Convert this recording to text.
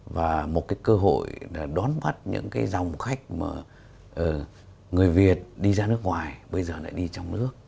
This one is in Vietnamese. và một cơ hội đón bắt những dòng khách người việt đi ra nước ngoài bây giờ lại đi trong nước